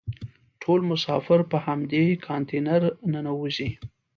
ټول مسافر په همدې کانتینر ننوزي.